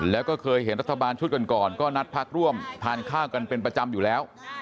แล้วก็เคยเห็นรัฐบาลชุดก่อนก็นัดพักร่วมทานข้าวกันเป็นประจำอยู่แล้ว